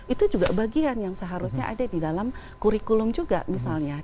itu juga bagian yang seharusnya ada di dalam kurikulum juga misalnya